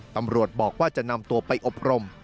ตำรวจบอกว่าจะนำตัวไปอบรม